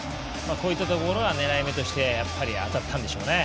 こういったところが狙い目として当たったんでしょうね。